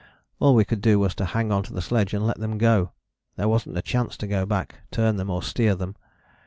All we could do was to hang on to the sledge and let them go: there wasn't a chance to go back, turn them or steer them.